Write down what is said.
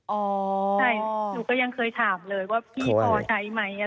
ค่ะเออเอออ๋อใช่หนูก็ยังเคยถามเลยว่าพี่ค่าใช้ไหมอะไรอย่างนี้ค่ะ